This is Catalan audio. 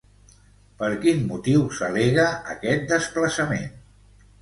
Per quin motiu s'al·lega aquest desplaçament?